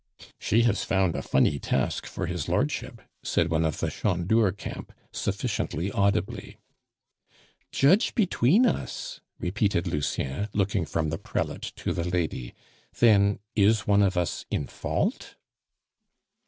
"She has found a funny task for his lordship," said one of the Chandour camp, sufficiently audibly. "Judge between us!" repeated Lucien, looking from the prelate to the lady; "then, is one of us in fault?"